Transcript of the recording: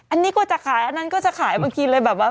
อันนี้กว่าจะขายอันนั้นก็จะขายบางทีเลยแบบว่า